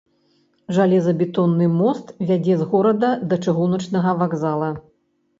Жалезабетонны мост вядзе з горада да чыгуначнага вакзала.